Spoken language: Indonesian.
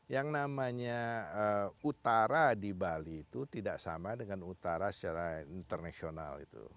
yang namanya utara di bali itu tidak sama dengan utara secara internasional